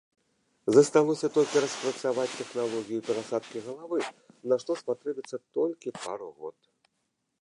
Засталося толькі распрацаваць тэхналогію перасадкі галавы, на што спатрэбіцца толькі пару год.